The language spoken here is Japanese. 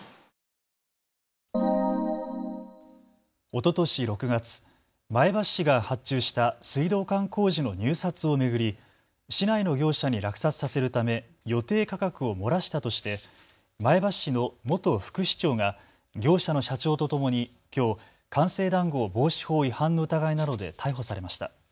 おととし６月、前橋市が発注した水道管工事の入札を巡り市内の業者に落札させるため予定価格を漏らしたとして前橋市の元副市長が業者の社長とともにきょう官製談合防止法違反の疑いなどで逮捕されました。